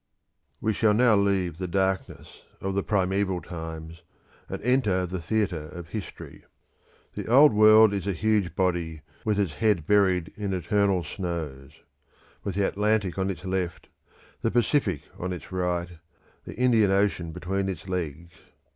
We shall now leave the darkness of the primeval times, and enter the theatre of history. The Old World is a huge body, with its head buried in eternal snows; with the Atlantic on its left, the Pacific on its right, the Indian Ocean between its legs.